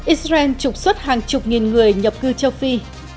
israel trục xuất hàng chục nghìn người nhập cư châu phi